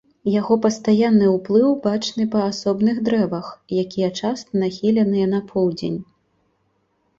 Яго пастаянны ўплыў бачны па асобных дрэвах, якія часта нахіленыя на поўдзень.